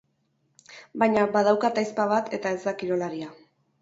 Baina badaukat ahizpa bat eta ez da kirolaria.